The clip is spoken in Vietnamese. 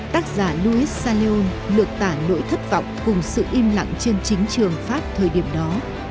tác giả louis salleum lược tả nỗi thất vọng cùng sự im lặng trên chính trường pháp thời điểm đó